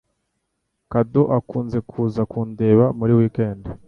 Kado akunze kuza kundeba muri wikendi.